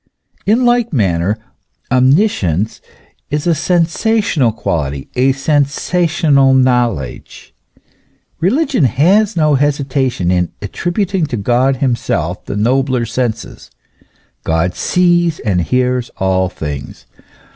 In like manner omniscience is a sensational quality, a sensational knowledge. Eeligion has no hesitation in attri buting to God himself the nobler senses : God sees and hears all things.